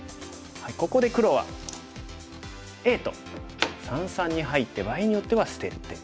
ここで黒はＡと三々に入って場合によっては捨てる手。